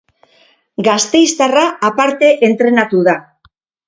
Gasteiztarra aparte entrenatu da.